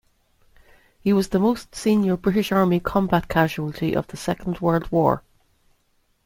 He was the most senior British Army combat casualty of the Second World War.